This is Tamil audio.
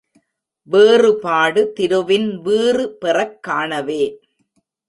வேறுபடு திருவின் வீறு பெறக் காணவே.